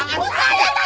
kalah lu tuan